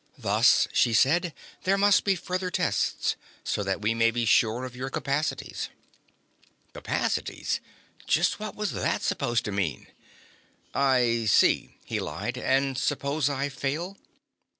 "Thus," she said, "there must be further tests, so that we may be sure of your capacities." Capacities? Just what was that supposed to mean? "I see," he lied. "And suppose I fail?"